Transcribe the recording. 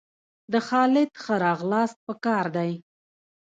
د خالد ښه راغلاست په کار دئ!